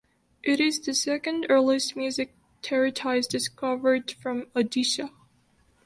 It is the second earliest music treatise discovered from Odisha.